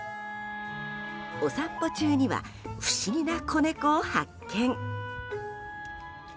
お散歩中には不思議な子猫を発見。